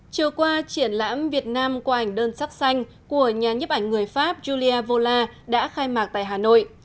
chiều qua triển lãm việt nam qua ảnh đơn sắc xanh của nhà nhiếp ảnh người pháp giulia vola đã khai mạc tại hà nội